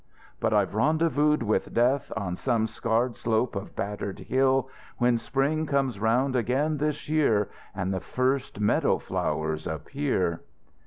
But I've a rendezvous with Death On some scarred slope of battered hill, When spring comes round again this year And the first meadow flowers appear.